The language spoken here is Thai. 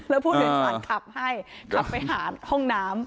แล้วผู้โดยสารขับให้ขับไปหาห้องน้ำ